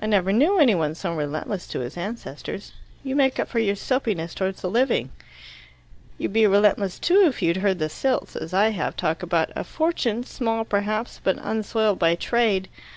"I never knew any one so relentless to his ancestors. You make up for your soapiness towards the living." "You'd be relentless if you'd heard the Silts, as I have, talk about 'a fortune, small perhaps, but unsoiled by trade!